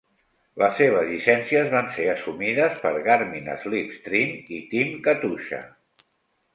Les seves llicències van ser assumides per Garmin-Slipstream i Team Katusha.